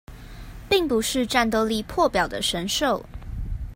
並不是戰鬥力破表的神獸